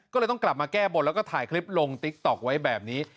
ก็เลยต้องกลับมาแก้บนแล้วก็ถ่ายคลิปลงติ๊กต๊อกไว้แบบนี้